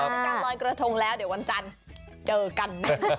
แล้วกันรอยกระทงแล้วเดี๋ยววันจันทร์เจอกัน